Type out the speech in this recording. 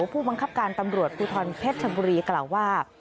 ผู้บังคับการตำรวจภูทรเพชรชบุรีกล่าวว่า